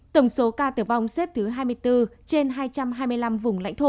tổng số ca tử vong xếp thứ hai mươi bốn trên hai trăm hai mươi năm vùng lãnh thổ